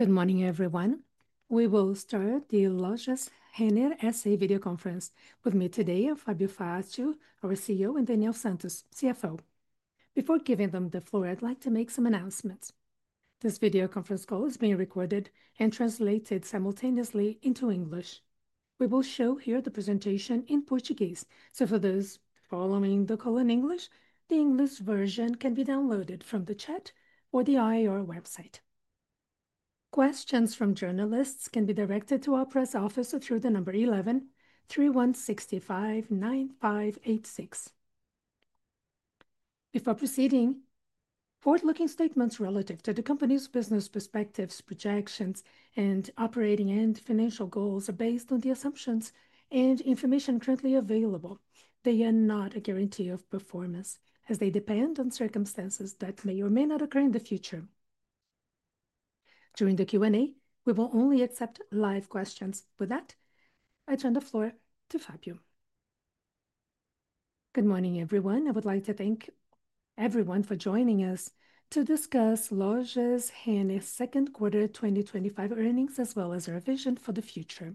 Good morning, everyone. We will start the Lojas Renner S.A. Video Conference with me today, Fabio Faccio, our CEO, and Daniel dos Santos, CFO. Before giving them the floor, I'd like to make some announcements. This video conference call is being recorded and translated simultaneously into English. We will show here the presentation in Portuguese, so for those following the call in English, the English version can be downloaded from the chat or the IAR website. Questions from journalists can be directed to our press office through the number 113-165-9586. Before proceeding, forward-looking statements relative to the company's business perspectives, projections, and operating and financial goals are based on the assumptions and information currently available. They are not a guarantee of performance, as they depend on circumstances that may or may not occur in the future. During the Q&A, we will only accept live questions. With that, I turn the floor to Fabio. Good morning, everyone. I would like to thank everyone for joining us to discuss Lojas Renner S.A.'s Second Quarter 2025 Earnings, as well as our vision for the future.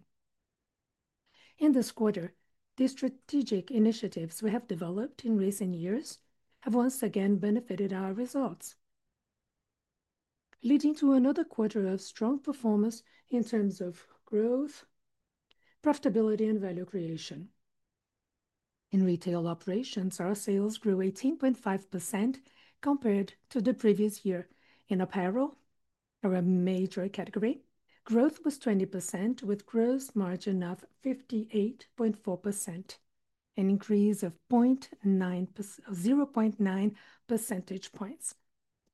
In this quarter, the strategic initiatives we have developed in recent years have once again benefited our results, leading to another quarter of strong performance in terms of growth, profitability, and value creation. In retail operations, our sales grew 18.5% compared to the previous year. In apparel, our major category, growth was 20%, with gross margin of 58.4%, an increase of 0.9 percentage points.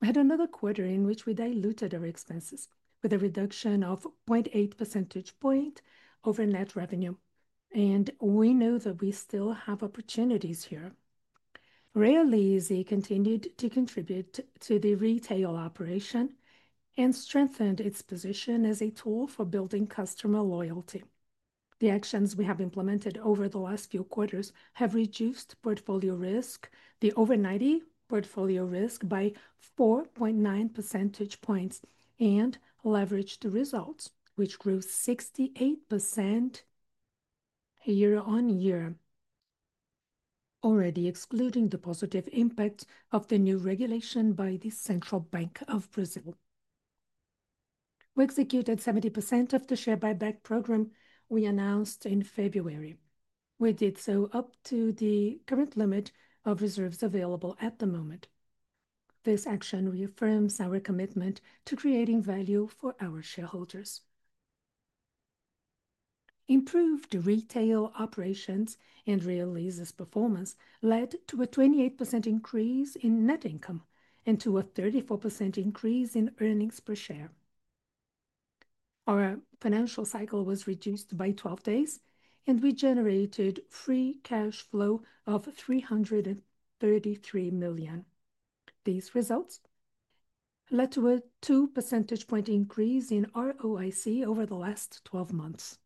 We had another quarter in which we diluted our expenses with a reduction of 0.8 percentage point over net revenue, and we know that we still have opportunities here. Realize continued to contribute to the retail operation and strengthened its position as a tool for building customer loyalty. The actions we have implemented over the last few quarters have reduced portfolio risk, the overnight portfolio risk by 4.9 percentage points, and leveraged results, which grew 68% year-on year, already excluding the positive impact of the new regulation by the Central Bank of Brazil. We executed 70% of the share buyback program we announced in February. We did so up to the current limit of reserves available at the moment. This action reaffirms our commitment to creating value for our shareholders. Improved retail operations and Realizes performance led to a 28% increase in net income and to a 34% increase in earnings per share. Our financial cycle was reduced by 12 days, and we generated free cash flow of 333 million. These results led to a 2% increase in ROIC over the last 12 months.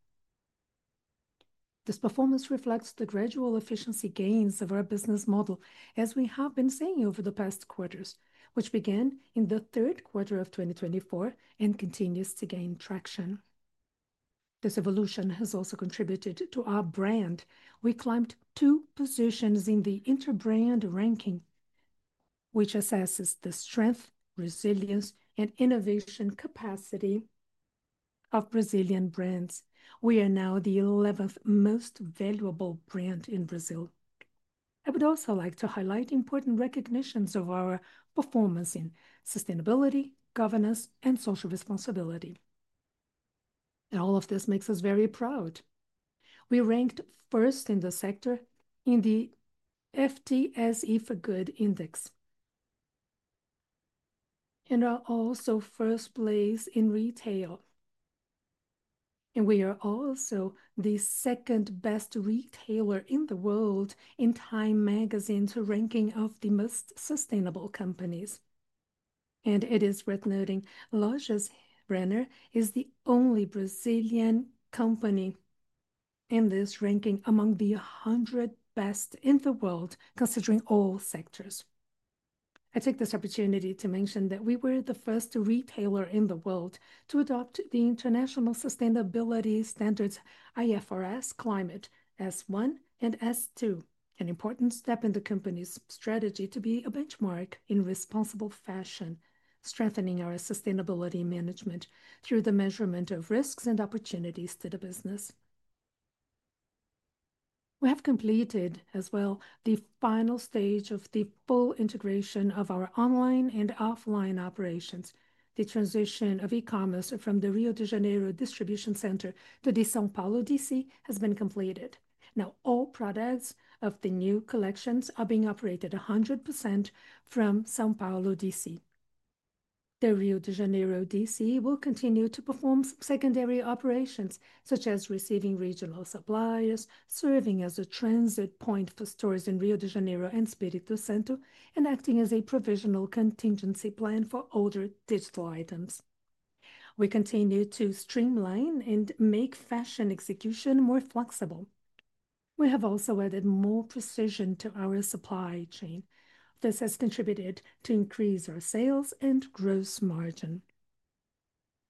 This performance reflects the gradual efficiency gains of our business model, as we have been seeing over the past quarters, which began in the third quarter of 2024 and continues to gain traction. This evolution has also contributed to our brand. We climbed two positions in the Interbrand ranking, which assesses the strength, resilience, and innovation capacity of Brazilian brands. We are now the 11th most valuable brand in Brazil. I would also like to highlight important recognitions of our performance in sustainability, governance, and social responsibility. All of this makes us very proud. We ranked first in the sector in the FTSE4Good Index, and are also first place in retail. We are also the second best retailer in the world in Time Magazine's ranking of the most sustainable companies. It is worth noting Lojas Renner is the only Brazilian company in this ranking among the 100 best in the world, considering all sectors. I take this opportunity to mention that we were the first retailer in the world to adopt the International Sustainability Standards IFRS Climate S1 and S2, an important step in the company's strategy to be a benchmark in responsible fashion, strengthening our sustainability management through the measurement of risks and opportunities to the business. We have completed as well the final stage of the full integration of our online and offline operations. The transition of e-commerce from the Rio de Janeiro distribution center to the São Paulo, D.C. has been completed. Now all products of the new collections are being operated 100% from São Paulo, D.C.. The Rio de Janeiro, D.C. will continue to perform secondary operations, such as receiving regional suppliers, serving as a transit point for stores in Rio de Janeiro and Espírito Santo, and acting as a provisional contingency plan for older digital items. We continue to streamline and make fashion execution more flexible. We have also added more precision to our supply chain. This has contributed to increased sales and gross margin.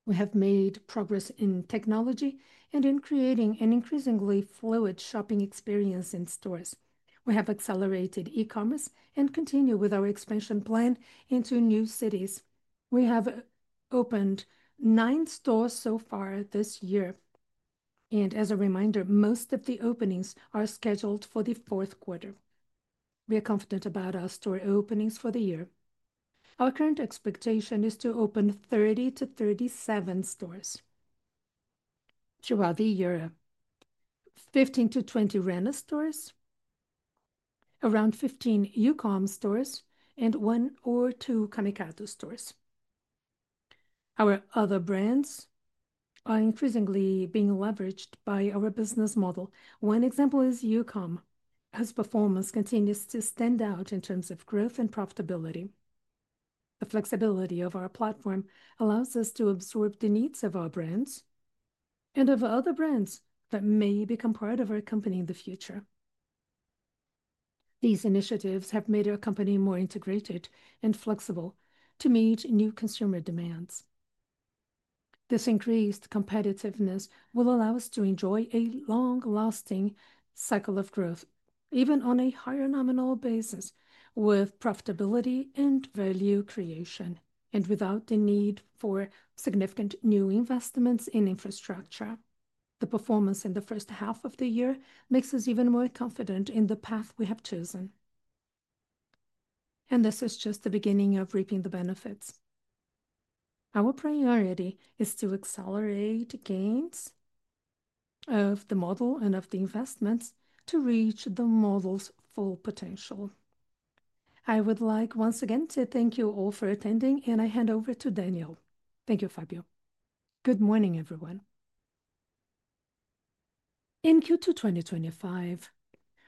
We have made progress in technology and in creating an increasingly fluid shopping experience in stores. We have accelerated e-commerce and continue with our expansion plan into new cities. We have opened nine stores so far this year. As a reminder, most of the openings are scheduled for the fourth quarter. We are confident about our store openings for the year. Our current expectation is to open 30-37 stores throughout the year, 15-20 Renner stores, around 15 Youcom stores, and one or two Camicado stores. Our other brands are increasingly being leveraged by our business model. One example is Youcom, whose performance continues to stand out in terms of growth and profitability. The flexibility of our platform allows us to absorb the needs of our brands and of other brands that may become part of our company in the future. These initiatives have made our company more integrated and flexible to meet new consumer demands. This increased competitiveness will allow us to enjoy a long-lasting cycle of growth, even on a higher nominal basis, with profitability and value creation, and without the need for significant new investments in infrastructure. The performance in the first half of the year makes us even more confident in the path we have chosen. This is just the beginning of reaping the benefits. Our priority is to accelerate the gains of the model and of the investments to reach the model's full potential. I would like once again to thank you all for attending, and I hand over to Daniel. Thank you, Fabio. Good morning, everyone. In Q2 2025,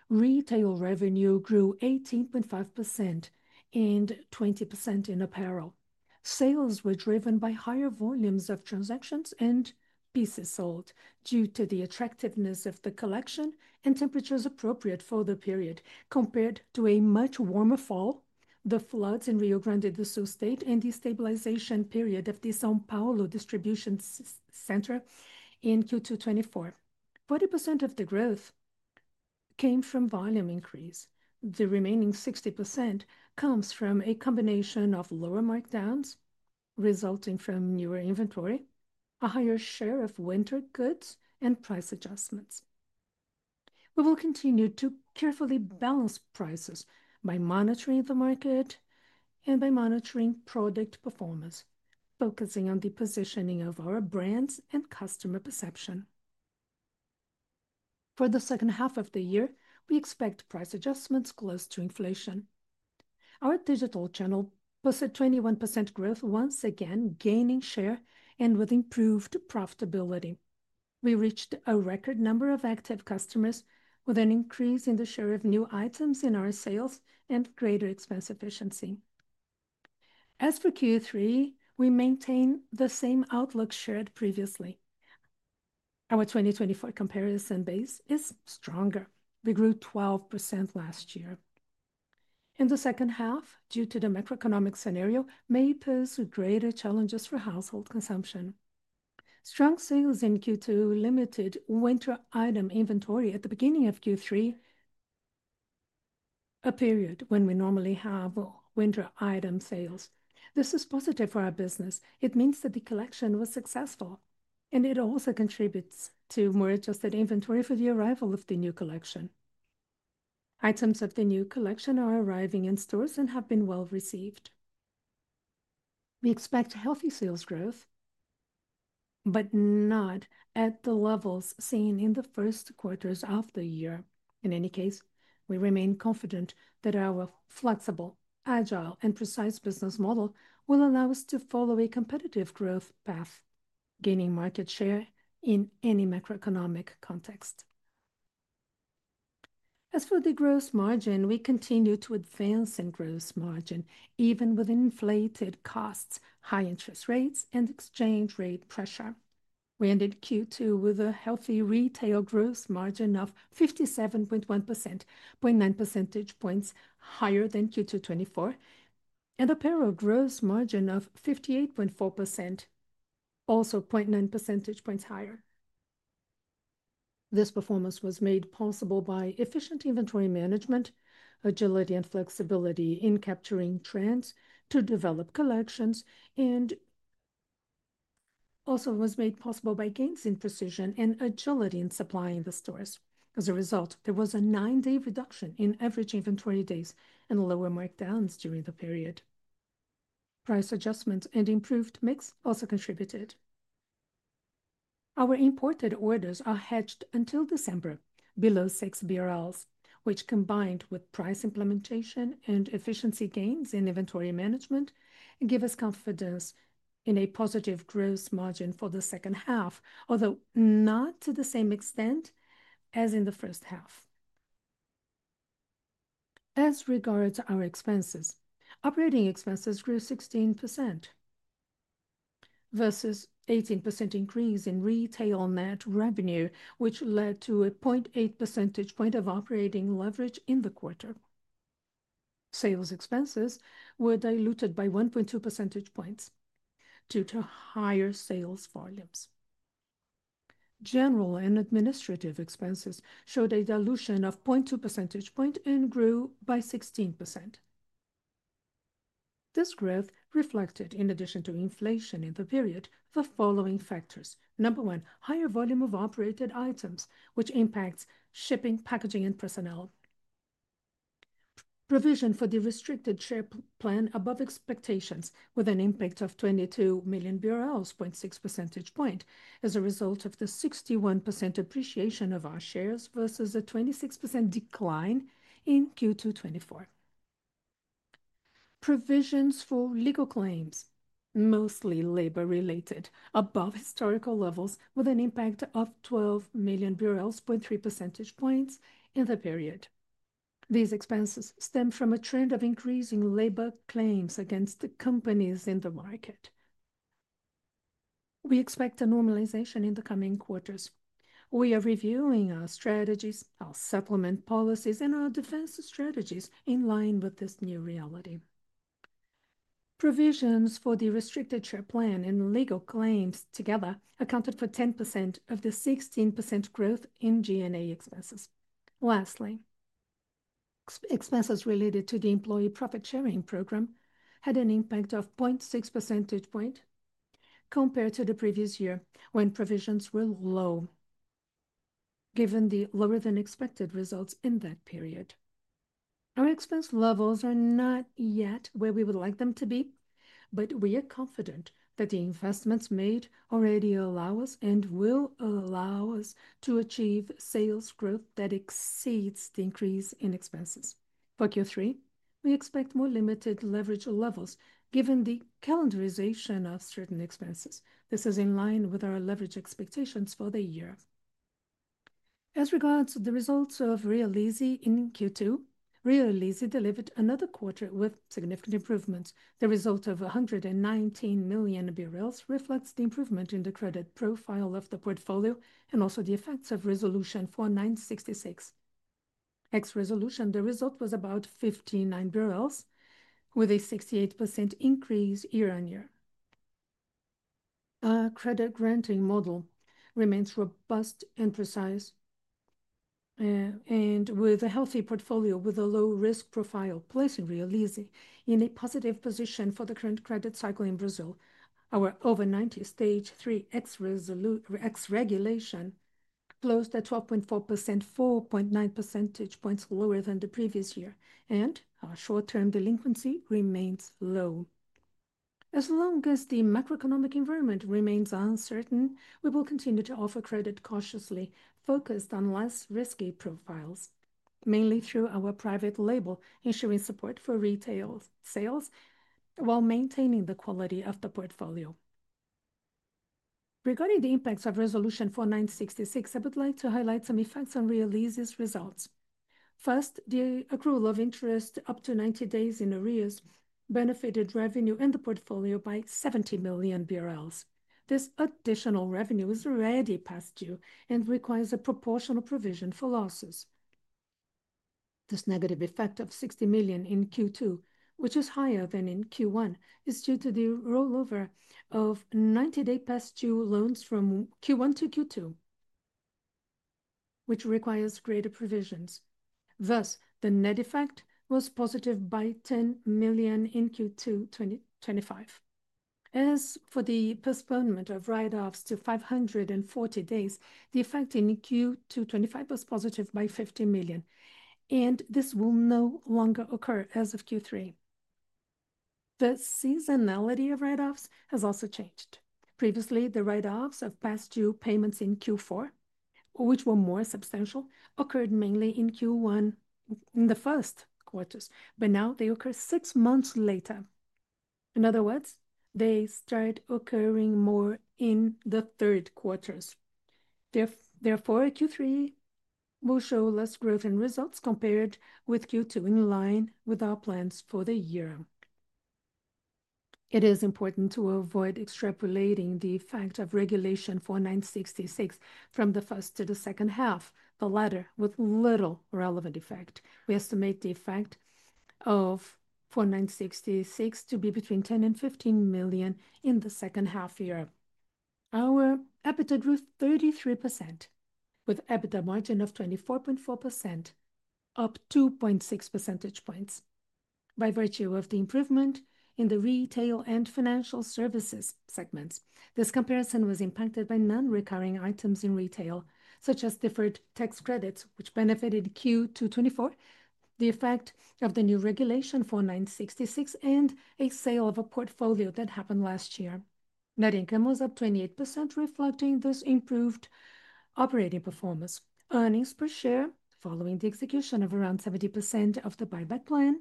retail revenue grew 18.5% and 20% in apparel. Sales were driven by higher volumes of transactions and pieces sold due to the attractiveness of the collection and temperatures appropriate for the period compared to a much warmer fall, the floods in Rio Grande do Sul State, and the stabilization period of the São Paulo distribution center in Q2 2024. 40% of the growth came from volume increase. The remaining 60% comes from a combination of lower markdowns resulting from newer inventory, a higher share of winter goods, and price adjustments. We will continue to carefully balance prices by monitoring the market and by monitoring product performance, focusing on the positioning of our brands and customer perception. For the second half of the year, we expect price adjustments close to inflation. Our digital channel posted 21% growth, once again gaining share and with improved profitability. We reached a record number of active customers with an increase in the share of new items in our sales and greater expense efficiency. As for Q3, we maintain the same outlook shared previously. Our 2024 comparison base is stronger. We grew 12% last year. In the second half, due to the macroeconomic scenario, may pose greater challenges for household consumption. Strong sales in Q2 limited winter item inventory at the beginning of Q3, a period when we normally have winter item sales. This is positive for our business. It means that the collection was successful, and it also contributes to more adjusted inventory for the arrival of the new collection. Items of the new collection are arriving in stores and have been well received. We expect healthy sales growth, but not at the levels seen in the first quarters of the year. In any case, we remain confident that our flexible, agile, and precise business model will allow us to follow a competitive growth path, gaining market share in any macroeconomic context. As for the gross margin, we continue to advance in gross margin, even with inflated costs, high interest rates, and exchange rate pressure. We ended Q2 with a healthy retail gross margin of 57.1%, 0.9 percentage points higher than Q2 2024, and an apparel gross margin of 58.4%, also 0.9 percentage points higher. This performance was made possible by efficient inventory management, agility, and flexibility in capturing trends to develop collections, and also was made possible by gains in precision and agility in supply in the stores. As a result, there was a nine-day reduction in average inventory days and lower markdowns during the period. Price adjustments and improved mix also contributed. Our imported orders are hedged until December below 6 BRL, which, combined with price implementation and efficiency gains in inventory management, give us confidence in a positive gross margin for the second half, although not to the same extent as in the first half. As regards our expenses, operating expenses grew 16% versus an 18% increase in retail net revenue, which led to a 0.8 percentage point of operating leverage in the quarter. Sales expenses were diluted by 1.2 percentage points due to higher sales volumes. General and administrative expenses showed a dilution of 0.2 percentage point and grew by 16%. This growth reflected, in addition to inflation in the period, the following factors: number one, higher volume of operated items, which impacts shipping, packaging, and personnel. Revision for the restricted share plan above expectations, with an impact of 22 million BRL, 0.6 percentage point, as a result of the 61% appreciation of our shares versus a 26% decline in Q2 2024. Provisions for legal claims, mostly labor-related, above historical levels, with an impact of 12 million BRL, 0.3% in the period. These expenses stem from a trend of increasing labor claims against the companies in the market. We expect a normalization in the coming quarters. We are reviewing our strategies, our supplement policies, and our defense strategies in line with this new reality. Provisions for the restricted share plan and legal claims together accounted for 10% of the 16% growth in G&A expenses. Lastly, expenses related to the employee profit-sharing program had an impact of 0.6% compared to the previous year, when provisions were low, given the lower than expected results in that period. Our expense levels are not yet where we would like them to be, but we are confident that the investments made already allow us and will allow us to achieve sales growth that exceeds the increase in expenses. For Q3, we expect more limited leverage levels, given the calendarization of certain expenses. This is in line with our leverage expectations for the year. As regards the results of Realize in Q2, Realize delivered another quarter with significant improvements. The result of 119 million BRL reflects the improvement in the credit profile of the portfolio and also the effects of resolution 4966. Ex-resolution, the result was about 59 million BRL, with a 68% increase year-on-year. Our credit granting model remains robust and precise, and with a healthy portfolio with a low risk profile, placing Realize in a positive position for the current credit cycle in Brazil. Our overnight stage three ex-regulation closed at 12.4%, 4.9% lower than the previous year, and our short-term delinquency remains low. As long as the macroeconomic environment remains uncertain, we will continue to offer credit cautiously, focused on less risky profiles, mainly through our private label, ensuring support for retail sales while maintaining the quality of the portfolio. Regarding the impacts of resolution 4966, I would like to highlight some effects on Realize's results. First, the accrual of interest up to 90 days in arrears benefited revenue and the portfolio by 70 million BRL. This additional revenue is already past due and requires a proportional provision for losses. This negative effect of 60 million in Q2, which is higher than in Q1, is due to the rollover of 90-day past-due loans from Q1-Q2, which requires greater provisions. Thus, the net effect was positive by 10 million in Q2 2025. As for the postponement of write-offs to 540 days, the effect in Q2 2025 was positive by 50 million, and this will no longer occur as of Q3. The seasonality of write-offs has also changed. Previously, the write-offs of past-due payments in Q4, which were more substantial, occurred mainly in Q1 in the first quarters, but now they occur six months later. In other words, they start occurring more in the third quarters. Therefore, Q3 will show less growth in results compared with Q2, in line with our plans for the year. It is important to avoid extrapolating the effect of regulation 4966, from the first to the second half, the latter with little relevant effect. We estimate the effect of 4966 to be between 10 million and 15 million in the second half year. Our EBITDA grew 33%, with EBITDA margin of 24.4%, up 2.6 percentage points by virtue of the improvement in the retail and financial services segments. This comparison was impacted by non-recurring items in retail, such as deferred tax credits, which benefited Q2 2024, the effect of the new regulation 4966, and a sale of a portfolio that happened last year. Net income was up 28%, reflecting this improved operating performance. Earnings per share, following the execution of around 70% of the buyback plan,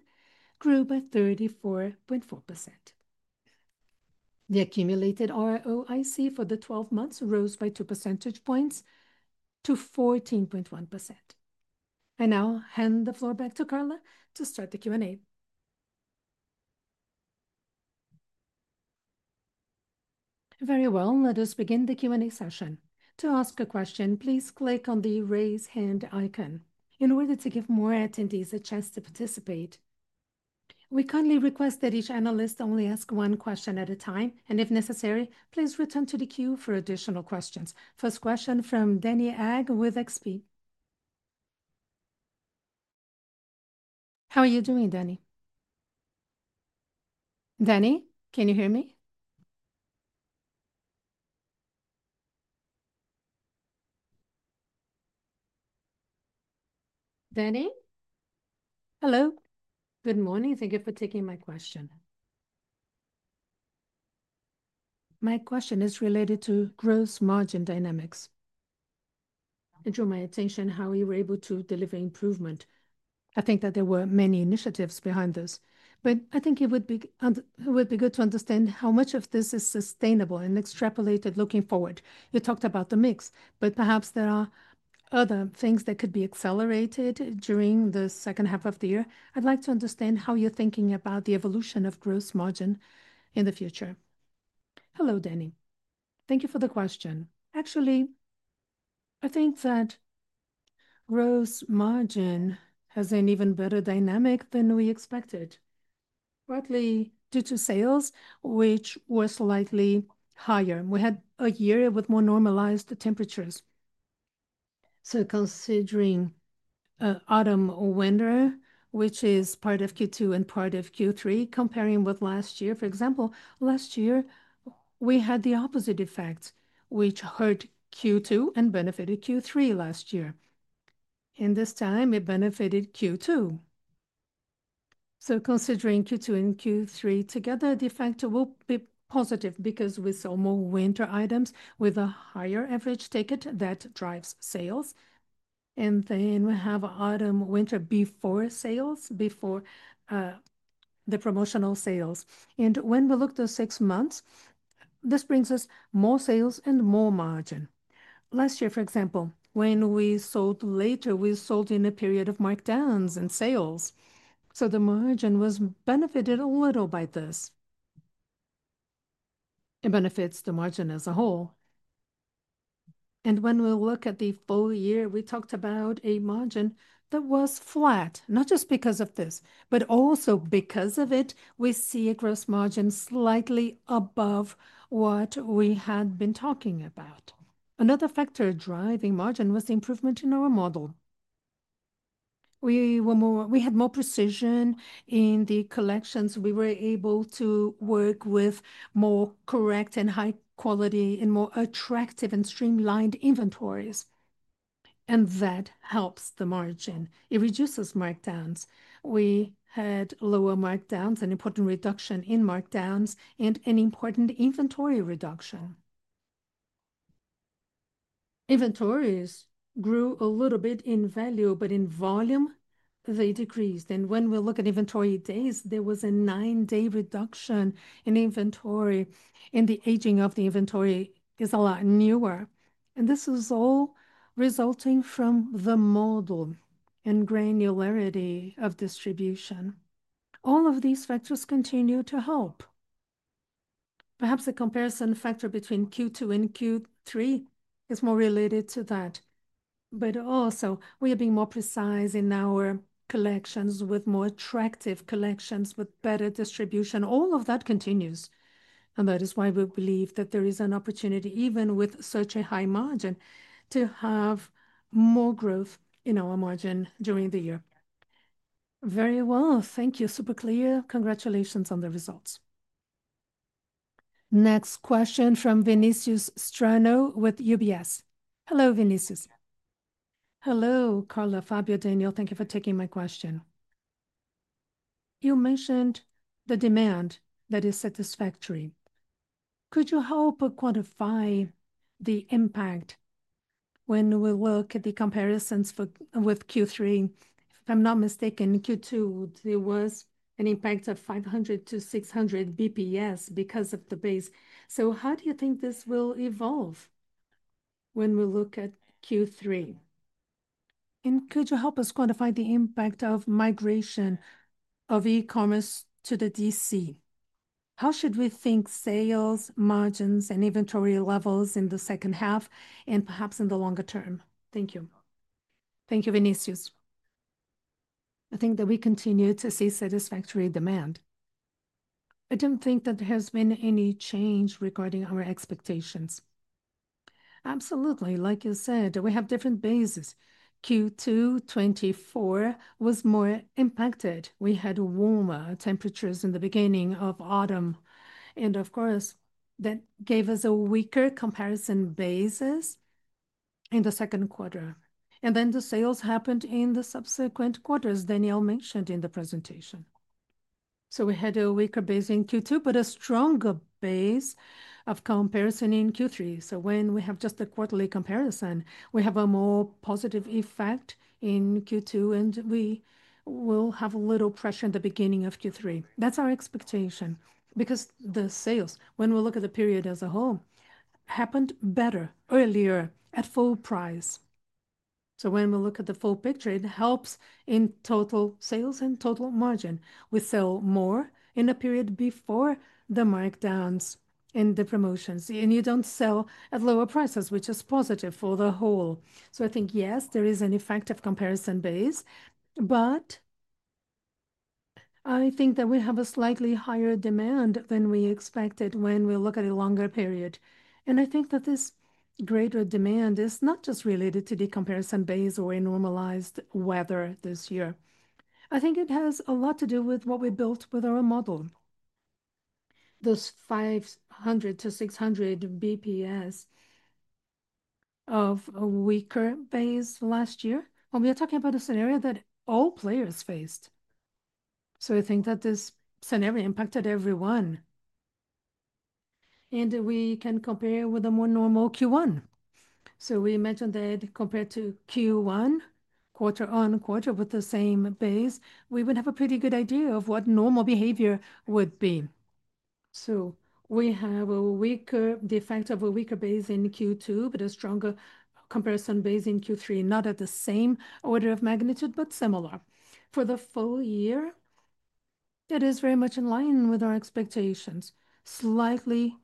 grew by 34.4%. The accumulated ROIC for the 12 months rose by 2 percentage points to 14.1%. I now hand the floor back to Carla to start the Q&A. Very well, let us begin the Q&A session. To ask a question, please click on the raise hand icon in order to give more attendees a chance to participate. We kindly request that each analyst only ask one question at a time, and if necessary, please return to the queue for additional questions. First question from Danni Eiger with XP. How are you doing, Danni? Danni, can you hear me? Danni? Hello? Good morning. Thank you for taking my question. My question is related to gross margin dynamics. It drew my attention how you were able to deliver improvement. I think that there were many initiatives behind this, but I think it would be good to understand how much of this is sustainable and extrapolated looking forward. You talked about the mix, but perhaps there are other things that could be accelerated during the second half of the year. I'd like to understand how you're thinking about the evolution of gross margin in the future. Hello, Danni. Thank you for the question. Actually, I think that gross margin has an even better dynamic than we expected. Roughly due to sales, which were slightly higher, we had a year with more normalized temperatures. Considering autumn or winter, which is part of Q2 and part of Q3, comparing with last year, for example, last year we had the opposite effect, which hurt Q2 and benefited Q3 last year. This time it benefited Q2. Considering Q2 and Q3 together, the effect will be positive because we saw more winter items with a higher average ticket that drives sales. We have autumn/winter before sales, before the promotional sales. When we look at the six months, this brings us more sales and more margin. Last year, for example, when we sold later, we sold in a period of markdowns and sales. The margin was benefited a little by this. It benefits the margin as a whole. When we look at the full year, we talked about a margin that was flat, not just because of this, but also because of it. We see a gross margin slightly above what we had been talking about. Another factor driving margin was the improvement in our model. We had more precision in the collections. We were able to work with more correct and high quality and more attractive and streamlined inventories, and that helps the margin. It reduces markdowns. We had lower markdowns, an important reduction in markdowns, and an important inventory reduction. Inventories grew a little bit in value, but in volume they decreased. When we look at inventory days, there was a nine-day reduction in inventory, and the aging of the inventory is a lot newer. This is all resulting from the model and granularity of distribution. All of these factors continue to help. Perhaps the comparison factor between Q2 and Q3 is more related to that. We are being more precise in our collections, with more attractive collections, with better distribution. All of that continues. That is why we believe that there is an opportunity, even with such a high margin, to have more growth in our margin during the year. Very well. Thank you. Super clear. Congratulations on the results. Next question from Vinicius Strano with UBS. Hello, Vinicius. Hello, Carla, Fabio, Daniel. Thank you for taking my question. You mentioned the demand that is satisfactory. Could you help quantify the impact when we look at the comparisons with Q3? If I'm not mistaken, in Q2, there was an impact of 500-600 basis points because of the base. How do you think this will evolve when we look at Q3? Could you help us quantify the impact of migration of e-commerce to the distribution center? How should we think sales, margins, and inventory levels in the second half and perhaps in the longer term? Thank you. Thank you, Vinicius. I think that we continue to see satisfactory demand. I don't think that there has been any change regarding our expectations. Absolutely. Like you said, we have different bases. Q2 2024 was more impacted. We had warmer temperatures in the beginning of autumn, and of course, that gave us a weaker comparison basis in the second quarter. The sales happened in the subsequent quarters Daniel mentioned in the presentation. We had a weaker base in Q2, but a stronger base of comparison in Q3. When we have just a quarterly comparison, we have a more positive effect in Q2, and we will have a little pressure in the beginning of Q3. That's our expectation because the sales, when we look at the period as a whole, happened better earlier at full price. When we look at the full picture, it helps in total sales and total margin. We sell more in a period before the markdowns and the promotions, and you don't sell at lower prices, which is positive for the whole. I think, yes, there is an effective comparison base, but I think that we have a slightly higher demand than we expected when we look at a longer period. I think that this greater demand is not just related to the comparison base or a normalized weather this year. I think it has a lot to do with what we built with our model. Those 500-600 basis points of a weaker base last year, and we are talking about a scenario that all players faced. I think that this scenario impacted everyone. We can compare with a more normal Q1. We imagine that compared to Q1, quarter-on-quarter with the same base, we would have a pretty good idea of what normal behavior would be. We have a weaker effect of a weaker base in Q2, but a stronger comparison base in Q3, not at the same order of magnitude, but similar. For the full year, it is very much in line with our expectations. Slightly higher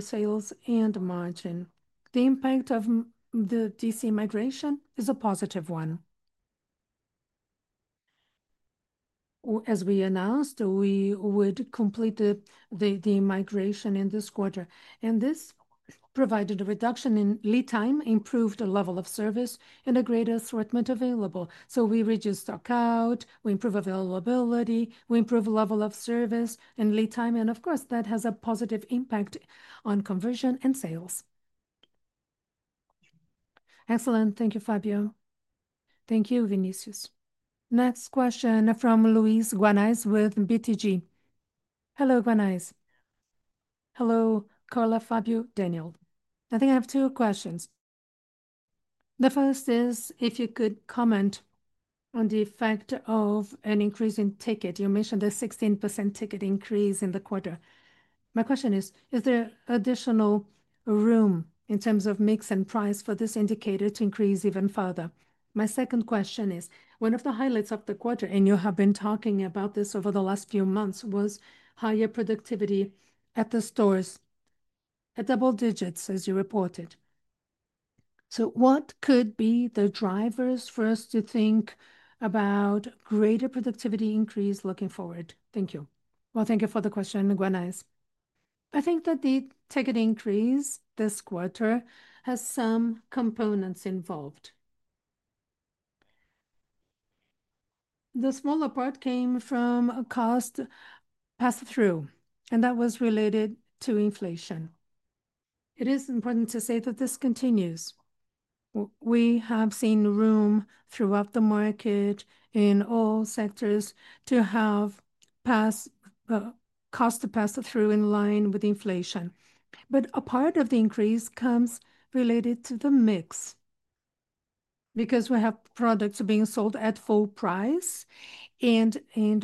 sales and margin. The impact of the distribution center migration is a positive one. As we announced, we would complete the migration in this quarter. This provided a reduction in lead time, improved the level of service, and a greater assortment available. We reduced stock out, improved availability, improved the level of service and lead time, and of course, that has a positive impact on conversion and sales. Excellent. Thank you, Fabio. Thank you, Vinicius. Next question from Luiz Guanais with BTG. Hello, Guanais. Hello, Carla, Fabio, Daniel. I think I have two questions. The first is if you could comment on the effect of an increase in ticket. You mentioned the 16% ticket increase in the quarter. My question is, is there additional room in terms of mix and price for this indicator to increase even further? My second question is, one of the highlights of the quarter, and you have been talking about this over the last few months, was higher productivity at the stores at double digits, as you reported. What could be the drivers for us to think about greater productivity increase looking forward? Thank you. Thank you for the question, Guanais. I think that the ticket increase this quarter has some components involved. The smaller part came from a cost pass-through, and that was related to inflation. It is important to say that this continues. We have seen room throughout the market in all sectors to have cost to pass-through in line with inflation. A part of the increase comes related to the mix because we have products being sold at full price, and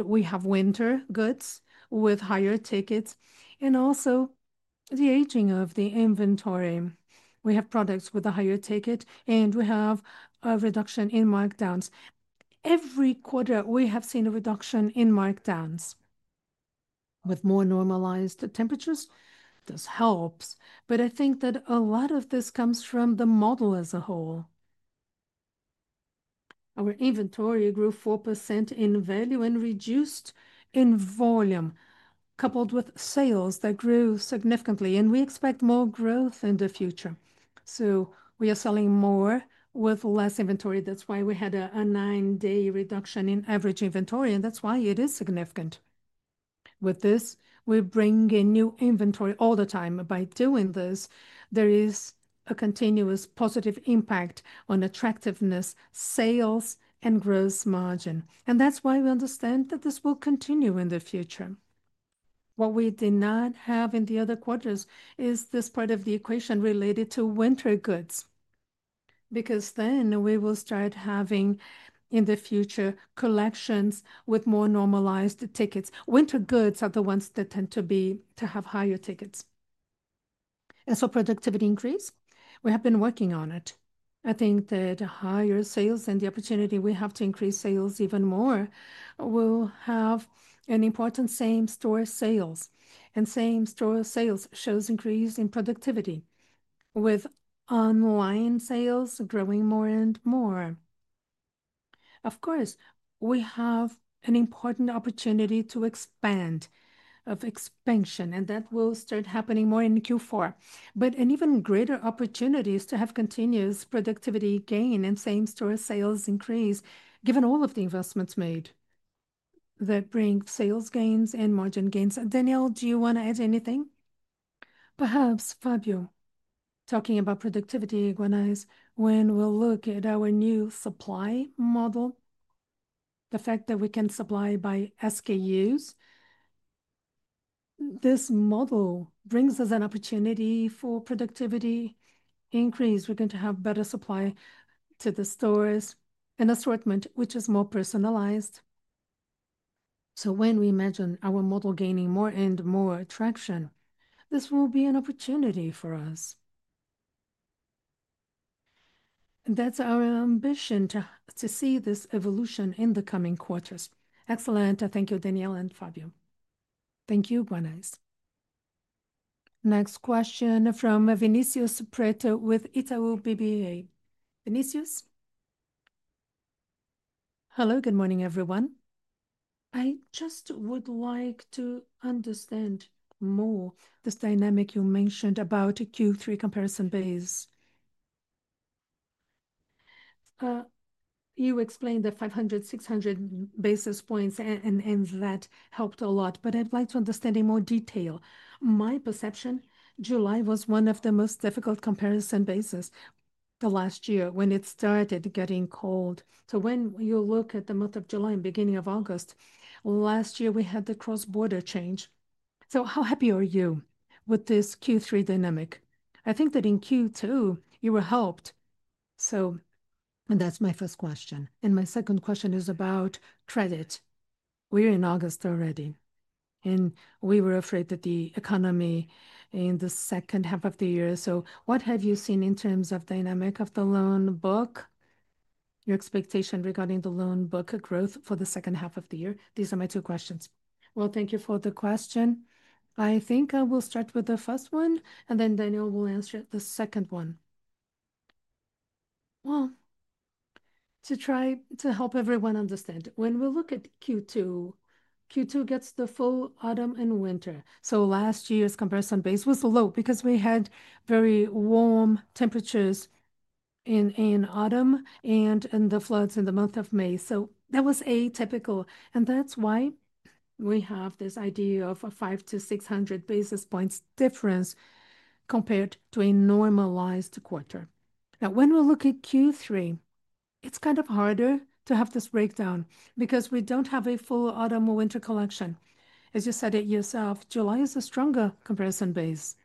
we have winter goods with higher tickets, and also the aging of the inventory. We have products with a higher ticket, and we have a reduction in markdowns. Every quarter, we have seen a reduction in markdowns with more normalized temperatures. This helps, but I think that a lot of this comes from the model as a whole. Our inventory grew 4% in value and reduced in volume, coupled with sales that grew significantly, and we expect more growth in the future. We are selling more with less inventory. That's why we had a nine-day reduction in average inventory, and that's why it is significant. With this, we bring in new inventory all the time. By doing this, there is a continuous positive impact on attractiveness, sales, and gross margin. That's why we understand that this will continue in the future. What we did not have in the other quarters is this part of the equation related to winter goods, because then we will start having, in the future, collections with more normalized tickets. Winter goods are the ones that tend to have higher tickets. As for productivity increase, we have been working on it. I think that higher sales and the opportunity we have to increase sales even more will have an important same-store sales, and same-store sales shows increase in productivity with online sales growing more and more. Of course, we have an important opportunity to expand, and that will start happening more in Q4. An even greater opportunity is to have continuous productivity gain and same-store sales increase, given all of the investments made that bring sales gains and margin gains. Daniel, do you want to add anything? Perhaps, Fabio, talking about productivity, Guanais, when we look at our new supply model, the fact that we can supply by SKUs, this model brings us an opportunity for productivity increase. We are going to have better supply to the stores and assortment, which is more personalized. When we imagine our model gaining more and more traction, this will be an opportunity for us. That is our ambition to see this evolution in the coming quarters. Excellent. Thank you, Daniel and Fabio. Thank you, Guanais. Next question from Vinicius Pretto with Itaú BBA. Vinicius. Hello, good morning, everyone. I just would like to understand more this dynamic you mentioned about Q3 comparison base. You explained the 500, 600 basis points, and that helped a lot, but I'd like to understand in more detail. My perception, July was one of the most difficult comparison bases last year when it started getting cold. When you look at the month of July and beginning of August, last year we had the cross-border change. How happy are you with this Q3 dynamic? I think that in Q2 you were helped. That is my first question. My second question is about credit. We are in August already, and we were afraid that the economy in the second half of the year. What have you seen in terms of the dynamic of the loan book? Your expectation regarding the loan book growth for the second half of the year? These are my two questions. Thank you for the question. I think I will start with the first one, and then Daniel will answer the second one. To try to help everyone understand, when we look at Q2, Q2 gets the full autumn and winter. Last year's comparison base was low because we had very warm temperatures in autumn and in the floods in the month of May. That was atypical, and that's why we have this idea of a 500 to 600 basis points difference compared to a normalized quarter. Now, when we look at Q3, it's kind of harder to have this breakdown because we don't have a full autumn or winter collection. As you said yourself, July is a stronger comparison base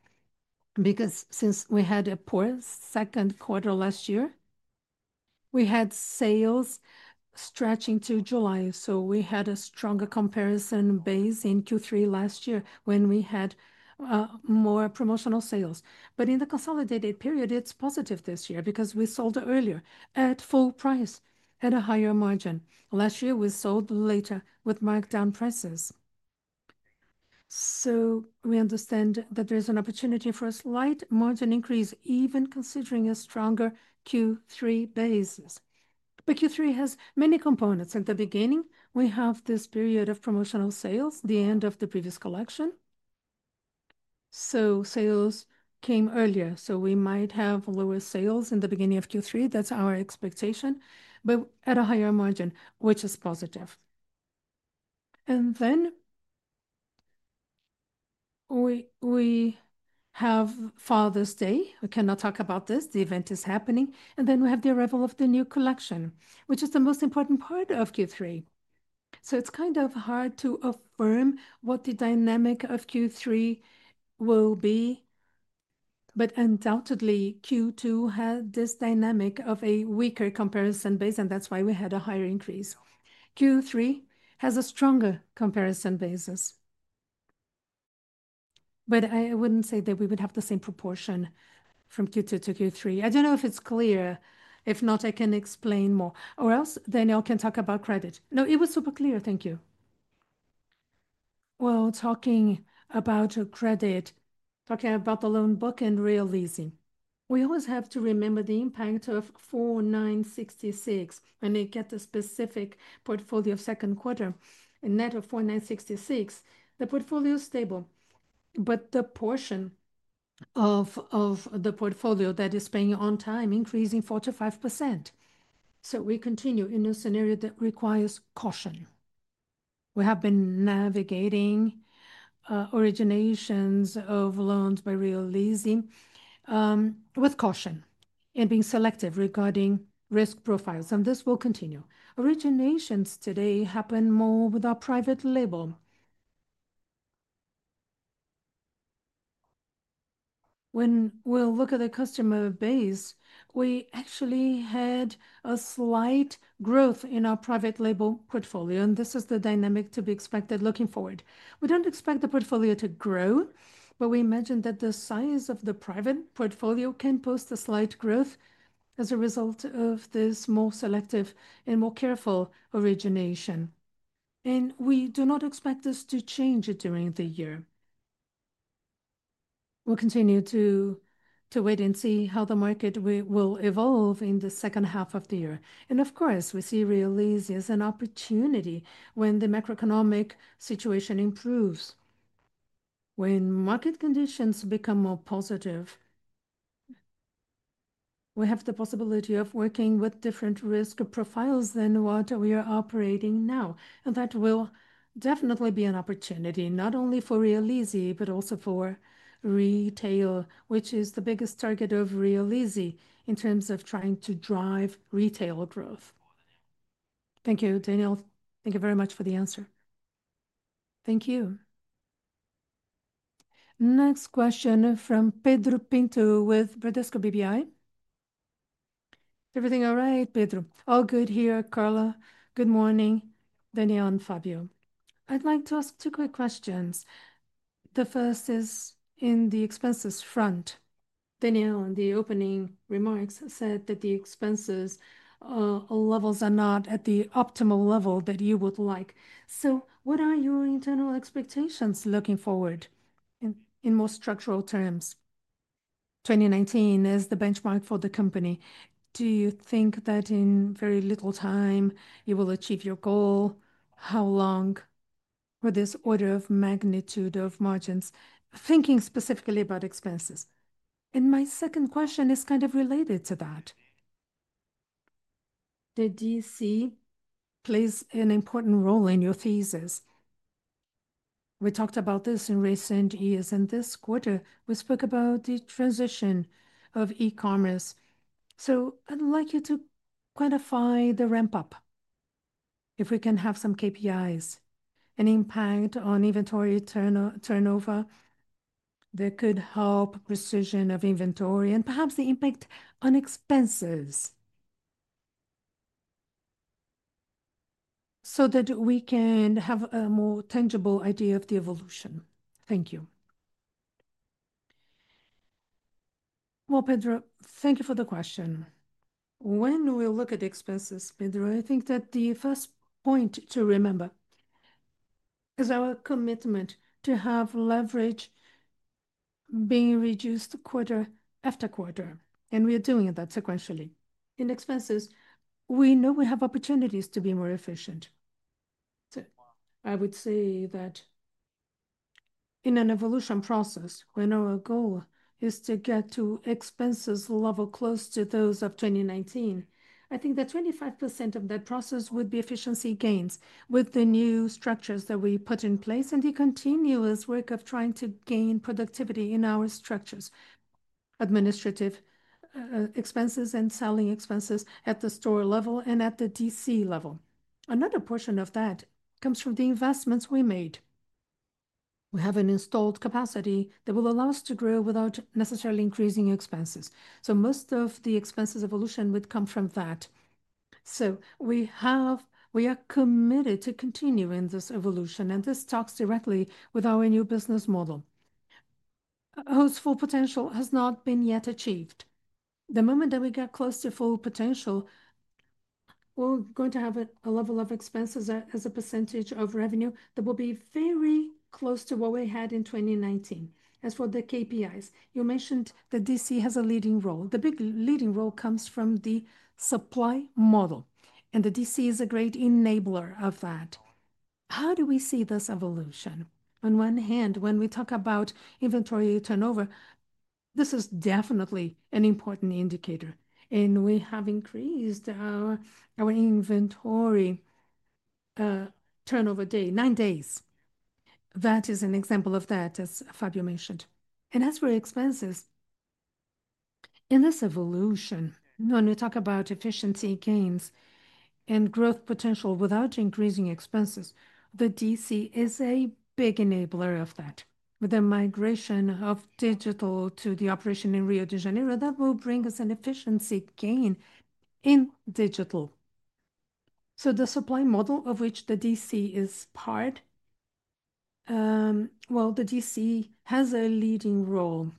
because since we had a poor second quarter last year, we had sales stretching to July. We had a stronger comparison base in Q3 last year when we had more promotional sales. In the consolidated period, it's positive this year because we sold earlier at full price at a higher margin. Last year, we sold later with markdown prices. We understand that there's an opportunity for a slight margin increase, even considering a stronger Q3 basis. Q3 has many components. At the beginning, we have this period of promotional sales, the end of the previous collection. Sales came earlier. We might have lower sales in the beginning of Q3. That's our expectation, but at a higher margin, which is positive. We have Father's Day. I cannot talk about this. The event is happening. We have the arrival of the new collection, which is the most important part of Q3. It's kind of hard to affirm what the dynamic of Q3 will be, but undoubtedly, Q2 had this dynamic of a weaker comparison base, and that's why we had a higher increase. Q3 has a stronger comparison basis, but I wouldn't say that we would have the same proportion from Q2-Q3. I don't know if it's clear. If not, I can explain more. Daniel can talk about credit. No, it was super clear. Thank you. Talking about credit, talking about the loan book and Realize, we always have to remember the impact of 4966. When we get the specific portfolio of second quarter, net of 4966, the portfolio is stable, but the portion of the portfolio that is paying on time increases 45%. We continue in a scenario that requires caution. We have been navigating originations of loans by Realize with caution and being selective regarding risk profiles, and this will continue. Originations today happen more with our private label. When we look at the customer base, we actually had a slight growth in our private label portfolio, and this is the dynamic to be expected looking forward. We don't expect the portfolio to grow, but we imagine that the size of the private portfolio can post a slight growth as a result of this more selective and more careful origination. We do not expect this to change during the year. We'll continue to wait and see how the market will evolve in the second half of the year. Of course, we see Realize as an opportunity when the macroeconomic situation improves. When market conditions become more positive, we have the possibility of working with different risk profiles than what we are operating now. That will definitely be an opportunity, not only for Realize, but also for retail, which is the biggest target of Realize in terms of trying to drive retail growth. Thank you, Daniel. Thank you very much for the answer. Thank you. Next question from Pedro Pinto with Bradesco BBI. Everything all right, Pedro? All good here, Carla. Good morning, Daniel and Fabio. I'd like to ask two quick questions. The first is in the expenses front. Daniel, in the opening remarks, said that the expenses levels are not at the optimal level that you would like. What are your internal expectations looking forward in more structural terms? 2019 is the benchmark for the company. Do you think that in very little time you will achieve your goal? How long with this order of magnitude of margins, thinking specifically about expenses? My second question is kind of related to that. The distribution center plays an important role in your phases. We talked about this in recent years, and this quarter we spoke about the transition of e-commerce. I'd like you to quantify the ramp-up. If we can have some KPIs, an impact on inventory turnover, that could help precision of inventory and perhaps the impact on expenses so that we can have a more tangible idea of the evolution. Thank you. Pedro, thank you for the question. When we look at expenses, Pedro, I think that the first point to remember is our commitment to have leverage being reduced quarter after quarter, and we are doing that sequentially. In expenses, we know we have opportunities to be more efficient. I would say that in an evolution process, when our goal is to get to expenses level close to those of 2019, I think that 25% of that process would be efficiency gains with the new structures that we put in place and the continuous work of trying to gain productivity in our structures, administrative expenses and selling expenses at the store level and at the distribution center level. Another portion of that comes from the investments we made. We have an installed capacity that will allow us to grow without necessarily increasing expenses. Most of the expenses evolution would come from that. We are committed to continue in this evolution, and this talks directly with our new business model, whose full potential has not been yet achieved. The moment that we get close to full potential, we are going to have a level of expenses as a percentage of revenue that will be very close to what we had in 2019. As for the KPIs, you mentioned the distribution center has a leading role. The big leading role comes from the supply model, and the distribution center is a great enabler of that. How do we see this evolution? On one hand, when we talk about inventory turnover, this is definitely an important indicator. We have increased our inventory turnover day, nine days. That is an example of that, as Fabio mentioned. As for expenses, in this evolution, when we talk about efficiency gains and growth potential without increasing expenses, the distribution center is a big enabler of that. With the migration of digital to the operation in Rio de Janeiro, that will bring us an efficiency gain in digital. The supply model of which the distribution center is part, well, the distribution center has a leading role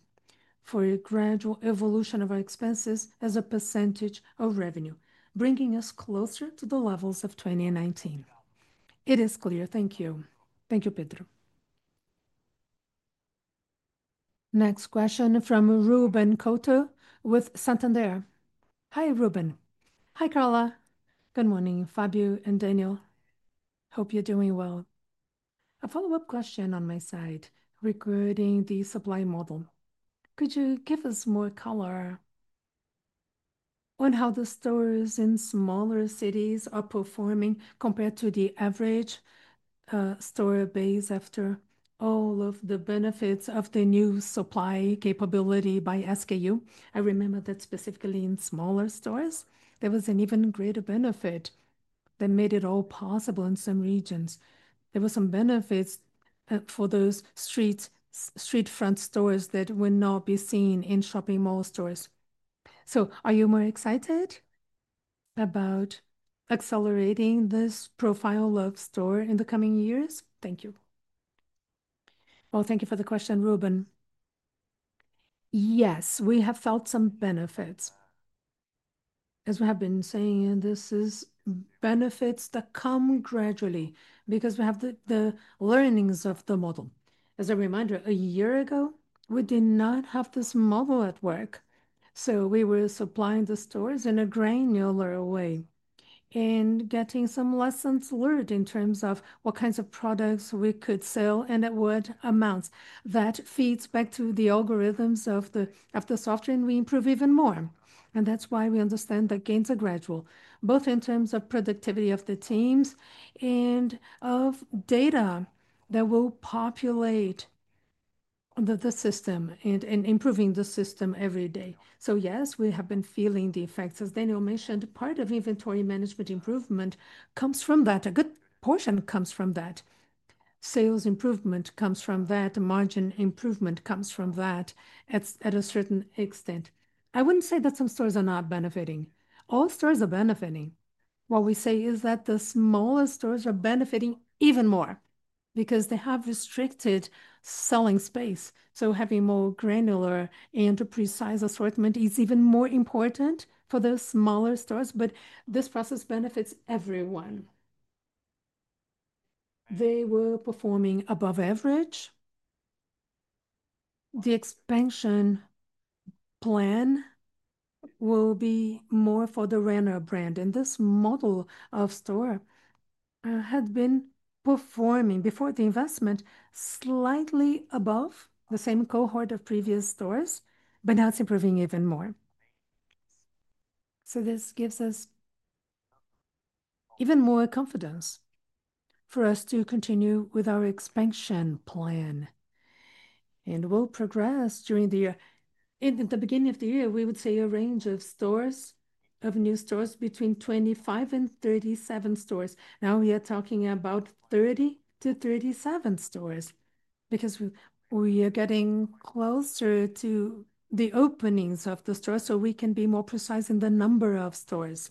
for a gradual evolution of our expenses as a percentage of revenue, bringing us closer to the levels of 2019. It is clear. Thank you. Thank you, Pedro. Next question from Ruben Couto with Santander. Hi, Ruben. Hi, Carla. Good morning, Fabio and Daniel. Hope you're doing well. A follow-up question on my side, regarding the supply model. Could you give us more color on how the stores in smaller cities are performing compared to the average store base after all of the benefits of the new supply capability by SKU? I remember that specifically in smaller stores, there was an even greater benefit that made it all possible in some regions. There were some benefits for those streetfront stores that would not be seen in shopping mall stores. Are you more excited about accelerating this profile of store in the coming years? Thank you. Thank you for the question, Ruben. Yes, we have felt some benefits. As we have been saying, these are benefits that come gradually because we have the learnings of the model. As a reminder, a year ago, we did not have this model at work. We were supplying the stores in a granular way and getting some lessons learned in terms of what kinds of products we could sell and at what amounts. That feeds back to the algorithms of the software, and we improve even more. That is why we understand that gains are gradual, both in terms of productivity of the teams and of data that will populate the system and improving the system every day. Yes, we have been feeling the effects. As Daniel mentioned, part of inventory management improvement comes from that. A good portion comes from that. Sales improvement comes from that. Margin improvement comes from that to a certain extent. I would not say that some stores are not benefiting. All stores are benefiting. What we say is that the smaller stores are benefiting even more because they have restricted selling space. Having more granular and precise assortment is even more important for the smaller stores, but this process benefits everyone. They were performing above average. The expansion plan will be more for the Renner brand. This model of store had been performing before the investment slightly above the same cohort of previous stores, but now it is improving even more. This gives us even more confidence for us to continue with our expansion plan. We will progress during the year. In the beginning of the year, we would say a range of new stores between 25 and 37 stores. Now we are talking about 30-37 stores because we are getting closer to the openings of the stores so we can be more precise in the number of stores.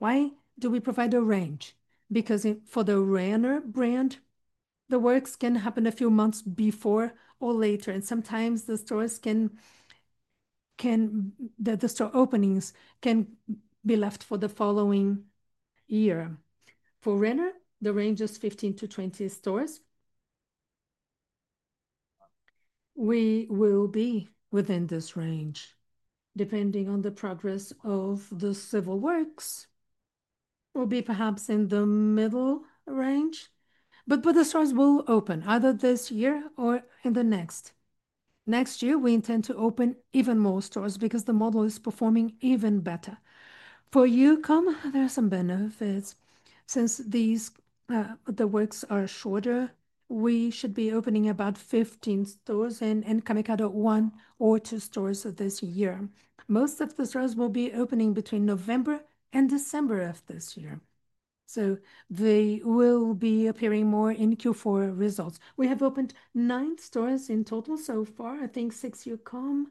We provide a range because for the Renner brand, the works can happen a few months before or later, and sometimes the store openings can be left for the following year. For Renner, the range is 15-20 stores. We will be within this range. Depending on the progress of the civil works, we will be perhaps in the middle range. The stores will open either this year or in the next. Next year, we intend to open even more stores because the model is performing even better. For Youcom, there are some benefits. Since the works are shorter, we should be opening about 15 stores and Camicado one or two stores this year. Most of the stores will be opening between November and December of this year. They will be appearing more in Q4 results. We have opened nine stores in total so far. I think six Youcom,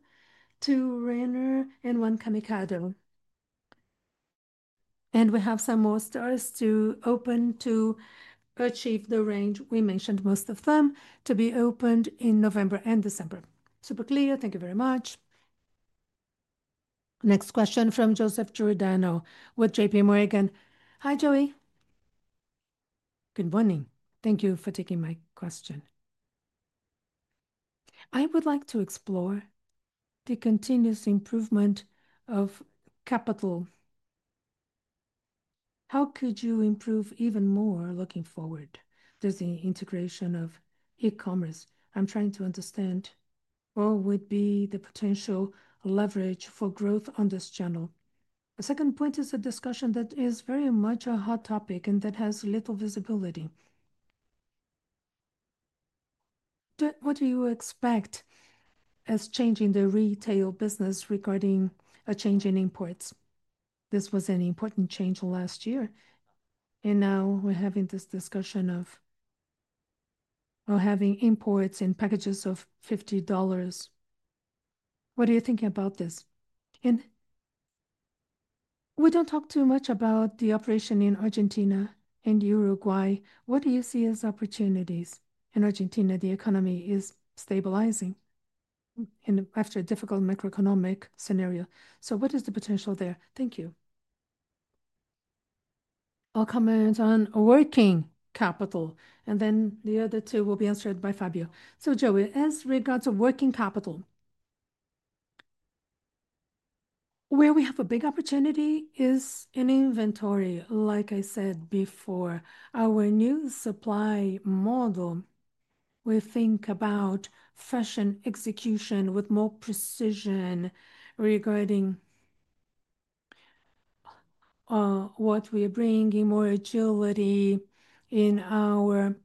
two Renner, and one Camicado. We have some more stores to open to achieve the range we mentioned. Most of them to be opened in November and December. Super clear. Thank you very much. Next question from Joseph Giordano withJP Morgan. Hi, Joey. Good morning. Thank you for taking my question. I would like to explore the continuous improvement of capital. How could you improve even more looking forward? Does the integration of e-commerce? I'm trying to understand what would be the potential leverage for growth on this channel. A second point is a discussion that is very much a hot topic and that has little visibility. What do you expect as changing the retail business regarding a change in imports? This was an important change last year, and now we're having this discussion of having imports in packages of $50. What do you think about this? We don't talk too much about the operation in Argentina and Uruguay. What do you see as opportunities? In Argentina, the economy is stabilizing after a difficult macroeconomic scenario. What is the potential there? Thank you. I'll comment on working capital, and then the other two will be answered by Fabio. Joey, as regards to working capital, where we have a big opportunity is in inventory. Like I said before, our new supply model, we think about fashion execution with more precision regarding what we are bringing in, more agility in our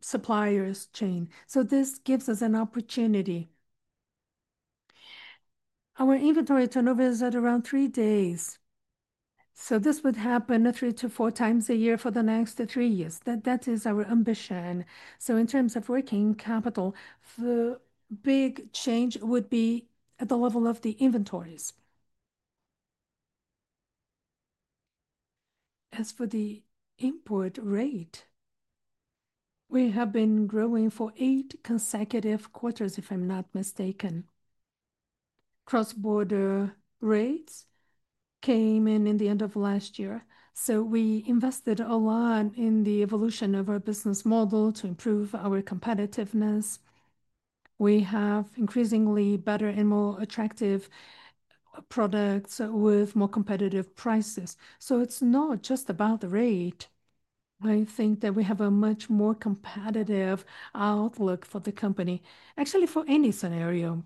suppliers' chain. This gives us an opportunity. Our inventory turnover is at around three days. This would happen three to four times a year for the next three years. That is our ambition. In terms of working capital, the big change would be at the level of the inventories. As for the import rate, we have been growing for eight consecutive quarters, if I'm not mistaken. Cross-border rates came in at the end of last year. We invested a lot in the evolution of our business model to improve our competitiveness. We have increasingly better and more attractive products with more competitive prices. It's not just about the rate. I think that we have a much more competitive outlook for the company, actually for any scenario.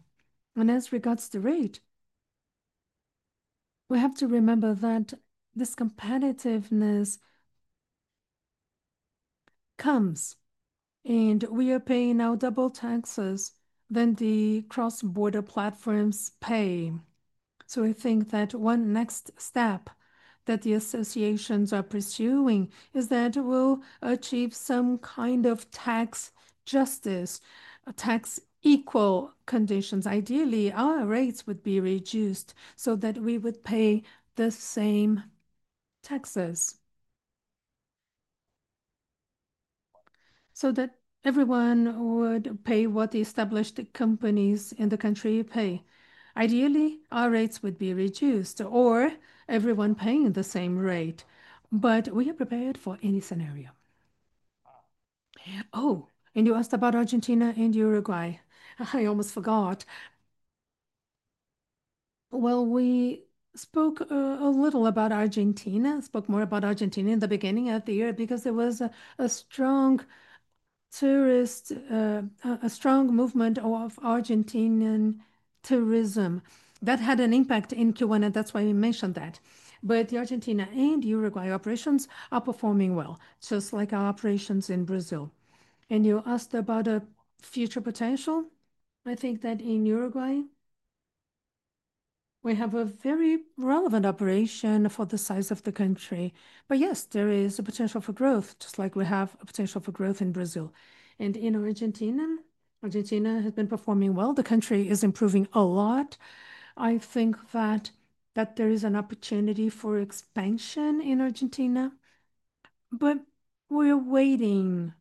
As regards to rate, we have to remember that this competitiveness comes, and we are paying now double taxes than the cross-border platforms pay. I think that one next step that the associations are pursuing is that we'll achieve some kind of tax justice, tax-equal conditions. Ideally, our rates would be reduced so that we would pay the same taxes so that everyone would pay what the established companies in the country pay. Ideally, our rates would be reduced or everyone paying the same rate, but we are prepared for any scenario. Oh, you asked about Argentina and Uruguay. I almost forgot. We spoke a little about Argentina, spoke more about Argentina in the beginning of the year because there was a strong tourist, a strong movement of Argentinian tourism that had an impact in Cuba, and that's why we mentioned that. The Argentina and Uruguay operations are performing well, just like our operations in Brazil. You asked about a future potential. I think that in Uruguay, we have a very relevant operation for the size of the country. Yes, there is a potential for growth, just like we have a potential for growth in Brazil. In Argentina, Argentina has been performing well. The country is improving a lot. I think that there is an opportunity for expansion in Argentina, but we are waiting.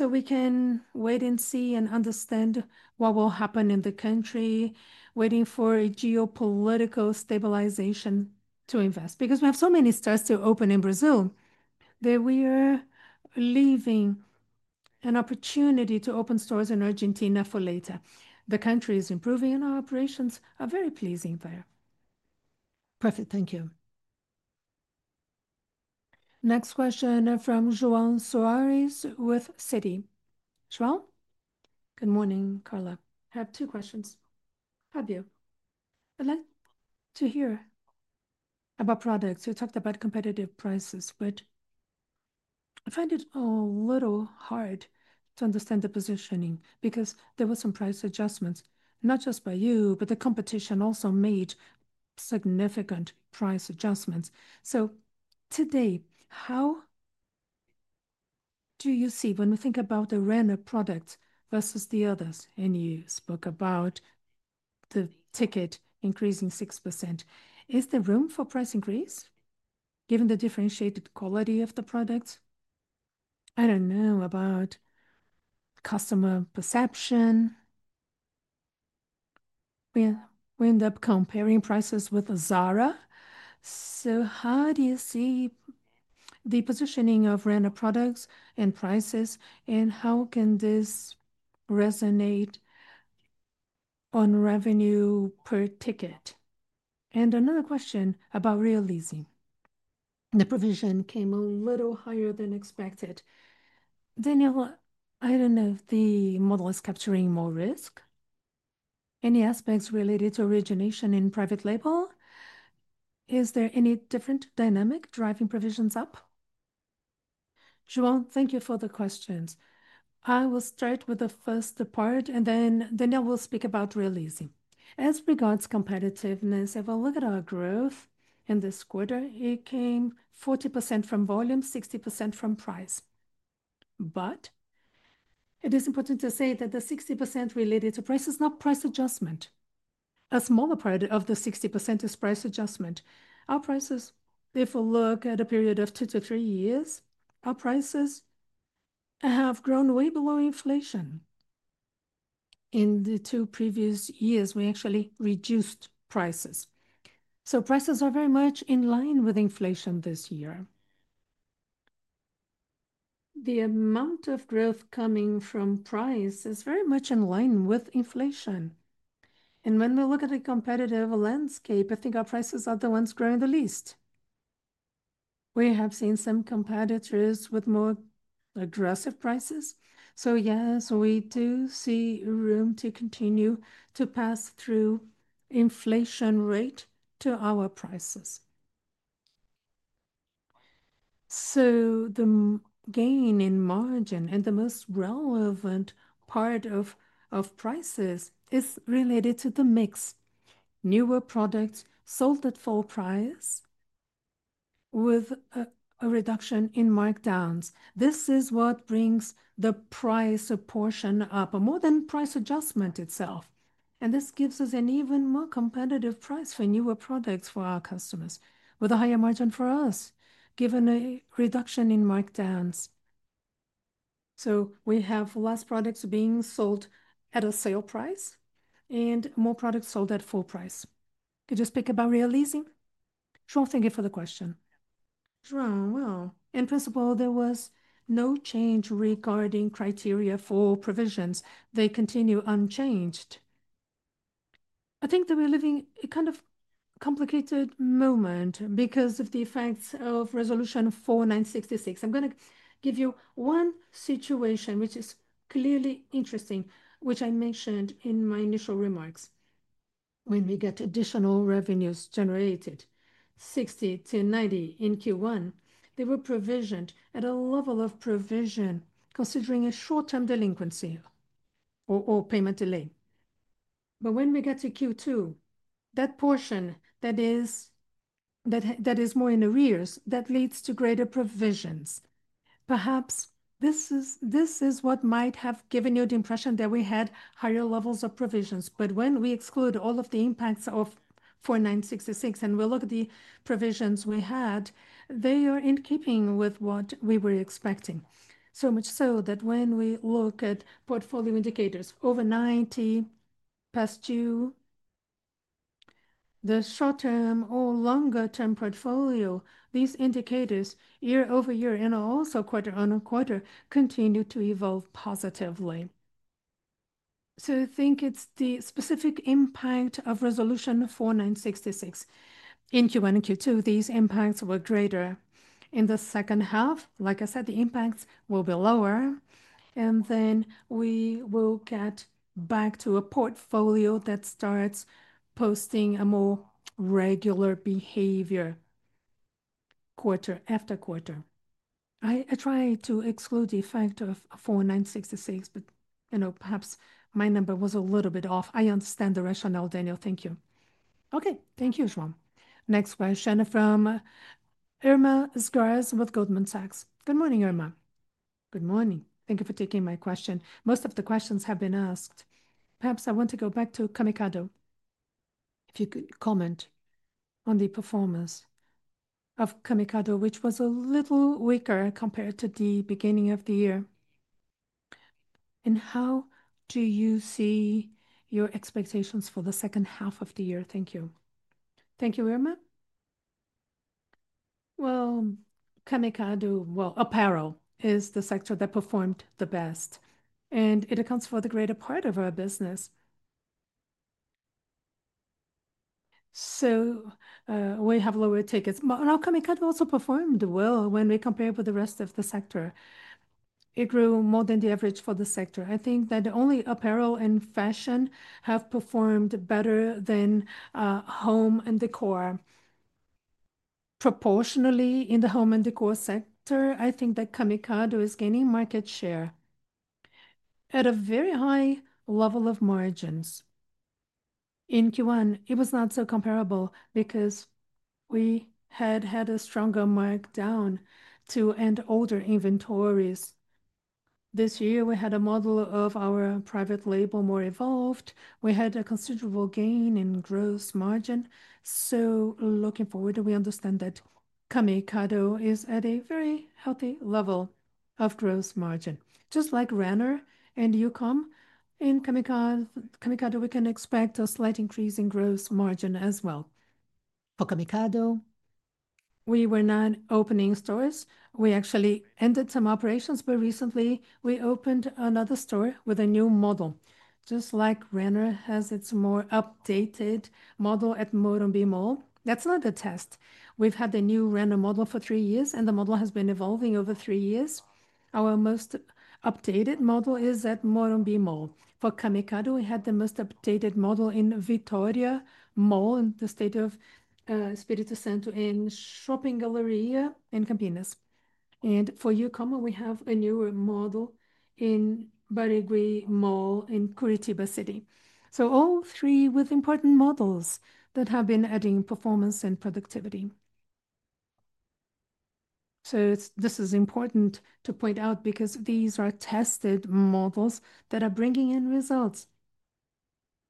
We can wait and see and understand what will happen in the country, waiting for a geopolitical stabilization to invest. We have so many stores to open in Brazil that we are leaving an opportunity to open stores in Argentina for later. The country is improving, and our operations are very pleasing there. Perfect. Thank you. Next question from João Soares with City. João. Good morning, Carla. I have two questions. Fabio, I'd like to hear about products. We talked about competitive prices, but I find it a little hard to understand the positioning because there were some price adjustments, not just by you, but the competition also made significant price adjustments. Today, how do you see when we think about the Renner products versus the others? You spoke about the ticket increasing 6%. Is there room for price increase given the differentiated quality of the product? I don't know about customer perception. We end up comparing prices with Zara. How do you see the positioning of Renner products and prices, and how can this resonate on revenue per ticket? Another question about Realize. The provision came a little higher than expected. Daniel, I don't know if the model is capturing more risk. Any aspects related to origination in private label? Is there any different dynamic driving provisions up? João, thank you for the questions. I will start with the first part, and then Daniel will speak about Realize. As regards competitiveness, if I look at our growth in this quarter, it came 40% from volume, 60% from price. It is important to say that the 60% related to price is not price adjustment. A smaller part of the 60% is price adjustment. Our prices, if we look at a period of 2-3 years, our prices have grown way below inflation. In the two previous years, we actually reduced prices. Prices are very much in line with inflation this year. The amount of growth coming from price is very much in line with inflation. When we look at the competitive landscape, I think our prices are the ones growing the least. We have seen some competitors with more aggressive prices. Yes, we do see room to continue to pass through the inflation rate to our prices. The gain in margin and the most relevant part of prices is related to the mix. Newer products sold at full price with a reduction in markdowns. This is what brings the price proportion up more than price adjustment itself. This gives us an even more competitive price for newer products for our customers with a higher margin for us, given a reduction in markdowns. We have less products being sold at a sale price and more products sold at full price. Could you speak about Realize? João, thank you for the question. In principle, there was no change regarding criteria for provisions. They continue unchanged. I think that we're living a kind of complicated moment because of the effects of resolution 4966. I'm going to give you one situation which is clearly interesting, which I mentioned in my initial remarks. When we get additional revenues generated, 60-90 in Q1, they were provisioned at a level of provision considering a short-term delinquency or payment delay. When we get to Q2, that portion that is more in the rears, that leads to greater provisions. Perhaps this is what might have given you the impression that we had higher levels of provisions. When we exclude all of the impacts of 4966, and we look at the provisions we had, they are in keeping with what we were expecting. Much so that when we look at portfolio indicators, over 90 past due, the short-term or longer-term portfolio, these indicators year-over-year and also quarter-on-quarter continue to evolve positively. I think it's the specific impact of resolution 4966. In Q1 and Q2, these impacts were greater. In the second half, like I said, the impacts will be lower, and then we will get back to a portfolio that starts posting a more regular behavior quarter-after-quarter. I try to exclude the effect of 4966, but you know perhaps my number was a little bit off. I understand the rationale, Daniel. Thank you. Okay. Thank you, João. Next question from Irma Sgarz with Goldman Sachs. Good morning, Irma. Good morning. Thank you for taking my question. Most of the questions have been asked. Perhaps I want to go back to Camicado. If you could comment on the performance of Camicado, which was a little weaker compared to the beginning of the year. How do you see your expectations for the second half of the year? Thank you. Thank you, Irma. Camicado, apparel is the sector that performed the best, and it accounts for the greater part of our business. We have lower tickets. Camicado also performed well when we compare with the rest of the sector. It grew more than the average for the sector. I think that only apparel and fashion have performed better than home and decor. Proportionally in the home and decor sector, I think that Camicado is gaining market share at a very high level of margins. In Q1, it was not so comparable because we had had a stronger markdown to end older inventories. This year, we had a model of our private label more evolved. We had a considerable gain in gross margin. Looking forward, we understand that Camicado is at a very healthy level of gross margin. Just like Renner and Youcom, in Camicado, we can expect a slight increase in gross margin as well. For Camicado, we were not opening stores. We actually ended some operations, but recently we opened another store with a new model. Just like Renner has its more updated model at Morumbi Mall. That is not a test. We have had the new Renner model for three years, and the model has been evolving over three years. Our most updated model is at Morumbi Mall. For Camicado, we had the most updated model in Vitória Mall in the state of Espírito Santo and Shopping Galleria in Campinas. For Youcom, we have a newer model in Barigui Mall in Curitiba City. All three with important models that have been adding performance and productivity. This is important to point out because these are tested models that are bringing in results.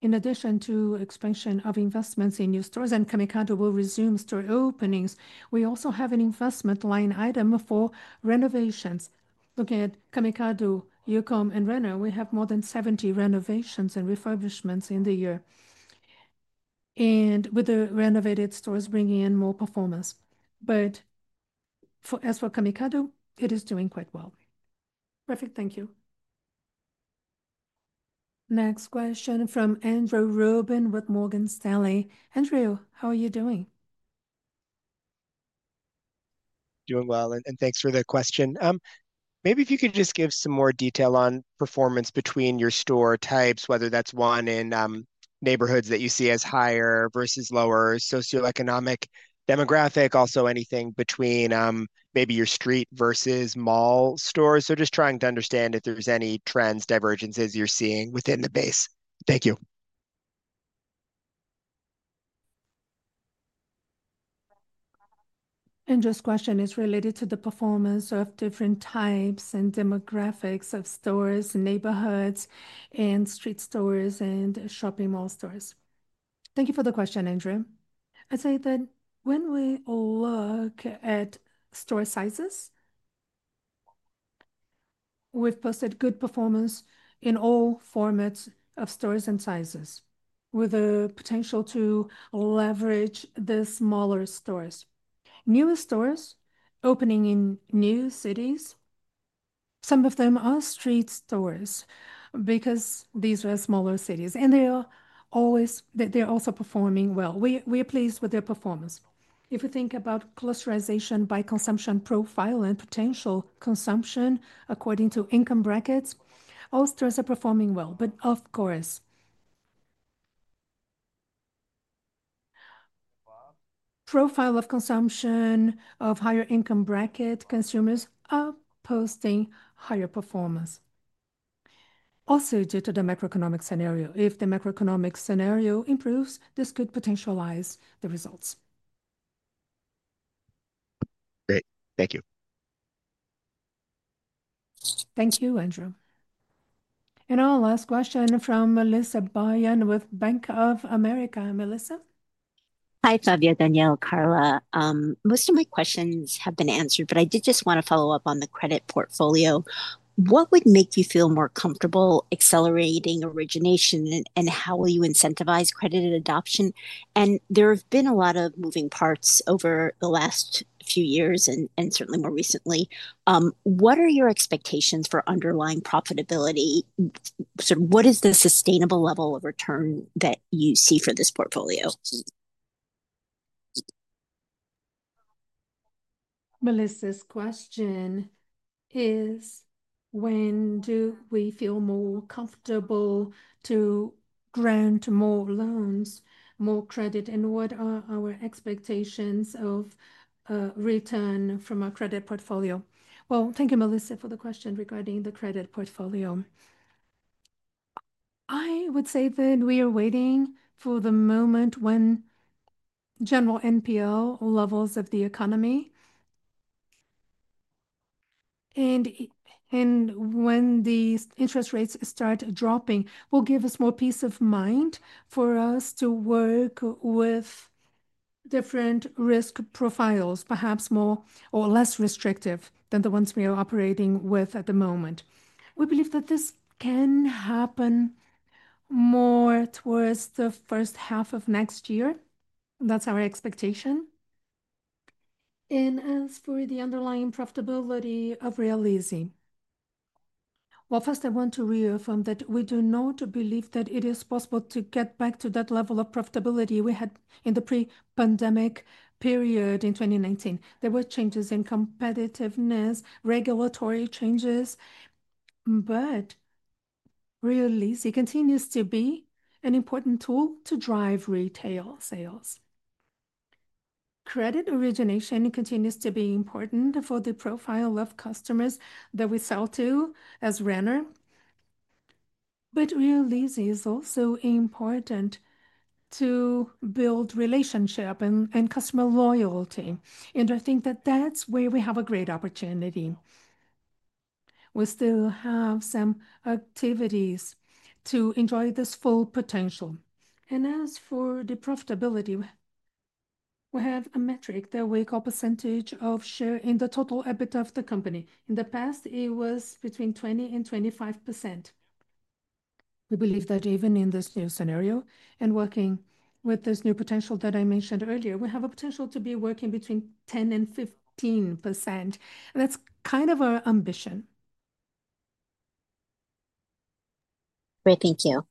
In addition to expansion of investments in new stores and Camicado will resume store openings, we also have an investment line item for renovations. Looking at Camicado, Youcom, and Renner, we have more than 70 renovations and refurbishments in the year, and with the renovated stores bringing in more performance. As for Camicado, it is doing quite well. Perfect. Thank you. Next question from Andrew Rubin with Morgan Stanley. Andrew, how are you doing? Doing well, and thanks for the question. Maybe if you could just give some more detail on performance between your store types, whether that's one in neighborhoods that you see as higher versus lower socioeconomic demographic, also anything between maybe your street versus mall stores. Just trying to understand if there's any trends, divergences you're seeing within the base. Thank you. Andrew's question is related to the performance of different types and demographics of stores, neighborhoods, and street stores, and shopping mall stores. Thank you for the question, Andrew. I'd say that when we look at store sizes, we've posted good performance in all formats of stores and sizes with the potential to leverage the smaller stores. New stores opening in new cities, some of them are street stores because these are smaller cities, and they're also performing well. We are pleased with their performance. If we think about clusterization by consumption profile and potential consumption according to income brackets, all stores are performing well. Of course, profile of consumption of higher income bracket consumers are posting higher performance. Also, due to the macroeconomic scenario, if the macroeconomic scenario improves, this could potentialize the results. Great. Thank you. Thank you, Andrew. Our last question from Melissa Byun with Bank of America. Melissa. Hi, Fabio, Daniel, Carla. Most of my questions have been answered, but I did just want to follow up on the credit portfolio. What would make you feel more comfortable accelerating origination, and how will you incentivize credit adoption? There have been a lot of moving parts over the last few years and certainly more recently. What are your expectations for underlying profitability? What is the sustainable level of return that you see for this portfolio? Melissa's question is, when do we feel more comfortable to grant more loans, more credit, and what are our expectations of return from our credit portfolio? Thank you, Melissa, for the question regarding the credit portfolio. I would say that we are waiting for the moment when general NPL levels of the economy and when the interest rates start dropping will give us more peace of mind for us to work with different risk profiles, perhaps more or less restrictive than the ones we are operating with at the moment. We believe that this can happen more towards the first half of next year. That's our expectation. As for the underlying profitability of Realize, first I want to reaffirm that we do not believe that it is possible to get back to that level of profitability we had in the pre-pandemic period in 2019. There were changes in competitiveness, regulatory changes, but Realize continues to be an important tool to drive retail sales. Credit origination continues to be important for the profile of customers that we sell to as Renner, but Realize is also important to build relationship and customer loyalty. I think that that's where we have a great opportunity. We still have some activities to enjoy this full potential. As for the profitability, we have a metric that we call percentage of share in the total EBITDA of the company. In the past, it was between 20% and 25%. We believe that even in this new scenario and working with this new potential that I mentioned earlier, we have a potential to be working between 10% and 15%. That's kind of our ambition. Great, thank you.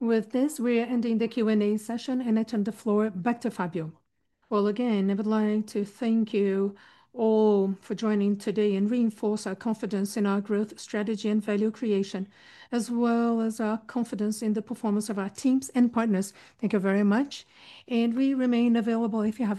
With this, we are ending the Q&A session and I turn the floor back to Fabio. I would like to thank you all for joining today and reinforce our confidence in our growth strategy and value creation, as well as our confidence in the performance of our teams and partners. Thank you very much. We remain available if you have.